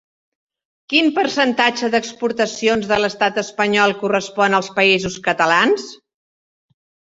Quin percentatge d'exportacions de l'Estat espanyol correspon als Països Catalans?